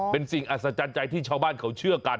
เป็นสิ่งอัศจรรย์ใจที่ชาวบ้านเขาเชื่อกัน